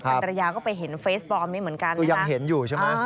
กันตรายาก็ไปเห็นเฟซบอร์มนี้เหมือนกันนะครับ